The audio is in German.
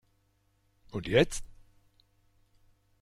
Und jetzt?